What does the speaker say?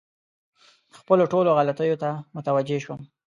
خپلو ټولو غلطیو ته متوجه شوم.